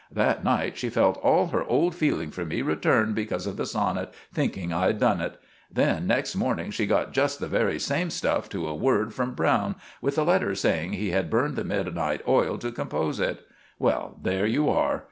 That night she felt all her old feeling for me return because of the sonnit, thinking I'd done it. Then, next morning, she got just the very same stuff to a word from Browne, with a letter saying he had burned the midnight oil to compose it. Well, there you are.